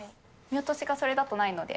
見落としがそれだとないので。